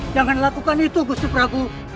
jangan lakukan itu gusupragu